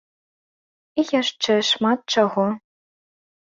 І яшчэ шмат чаго.